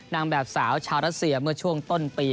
นางแบบสาวชาวรัสเซียเมื่อช่วงต้นปี